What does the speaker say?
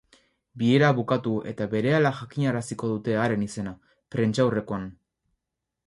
Bilera bukatu eta berehala jakinaraziko dute haren izena, prentsaurrekoan.